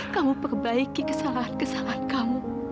kamu perbaiki kesalahan kesalahan kamu